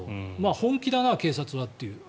本気だな、警察はという。